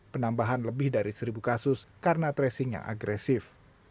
penambahan lebih dari seribu kasus karena tracingnya agresif